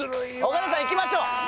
岡田さんいきましょう！